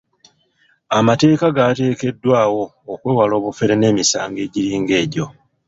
Amateeka gateekeddwawo okwewala obufere n'emisango egiringa egyo.